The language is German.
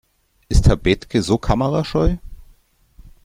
Ist Herr Bethke so kamerascheu?